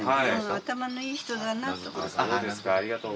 頭のいい人だなと。